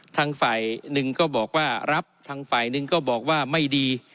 ทางฝ่ายหนึ่งก็บอกว่ารับทางฝ่ายหนึ่งก็บอกว่าไม่ดี